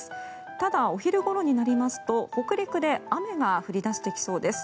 ただ、お昼ごろになりますと北陸で雨が降り出してきそうです。